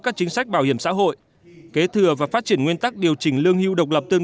các chính sách bảo hiểm xã hội kế thừa và phát triển nguyên tắc điều chỉnh lương hưu độc lập tương